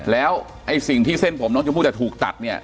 แล้วไอ้สิ่งที่เส้นผมน้องชมพู่จะถูกตัดเนี่ย